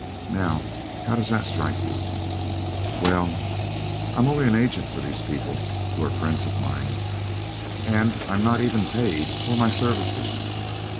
Now how does that strike you?" "Well, I am only an agent of these people, who are friends of mine, and I am not even paid for my services.